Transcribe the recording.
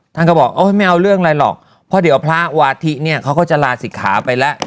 ท่านก็บอกไม่เอาเรื่องไรหรอกเพราะเดี๋ยวพระวาฒินเขาก็จะลาศิลป์ขาไปแล้ว